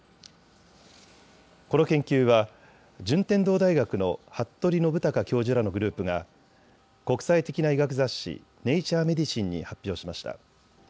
この研究は順天堂大学の服部信孝教授らのグループが国際的な医学雑誌、ネイチャー・メディシンに発表しました。